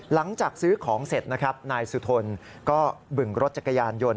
หลังจากซื้อของเสร็จนะครับนายสุทนก็บึงรถจักรยานยนต์